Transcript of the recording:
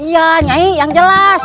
iya nyai yang jelas